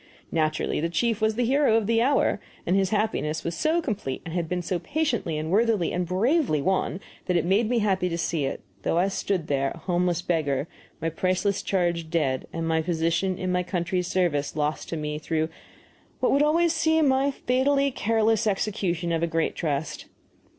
Naturally the chief was the hero of the hour, and his happiness was so complete and had been so patiently and worthily and bravely won that it made me happy to see it, though I stood there a homeless beggar, my priceless charge dead, and my position in my country's service lost to me through what would always seem my fatally careless execution of a great trust.